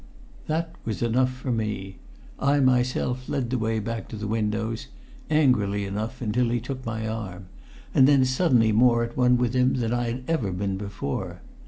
That was enough for me. I myself led the way back to the windows, angrily enough until he took my arm, and then suddenly more at one with him than I had ever been before.